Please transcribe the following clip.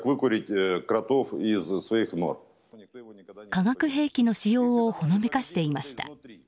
化学兵器の使用をほのめかしていました。